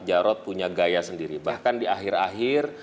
jarod punya gaya sendiri bahkan di akhir akhir